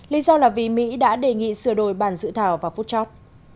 lý do là vì mỹ đã đề nghị sửa đổi bản dự thảo vào phút chót